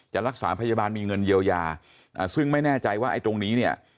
จะรักษาพยาบาลมีเงินเยียวยาซึ่งไม่แน่ใจว่าไอ้ตรงนี้เนี่ย